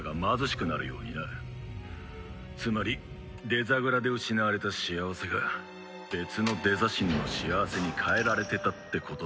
つまりデザグラで失われた幸せが別のデザ神の幸せに変えられてたってことさ。